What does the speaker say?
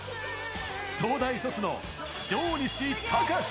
東大卒の上西隆史。